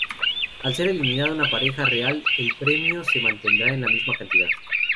Al ser eliminada una Pareja Real el premio se mantendrá en la misma cantidad.